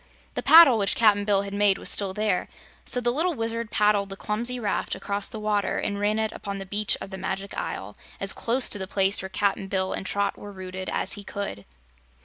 The paddle which Cap'n Bill had made was still there, so the little Wizard paddled the clumsy raft across the water and ran it upon the beach of the Magic Isle as close to the place where Cap'n Bill and Trot were rooted as he could.